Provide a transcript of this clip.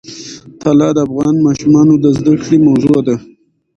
طلا د افغان ماشومانو د زده کړې موضوع ده.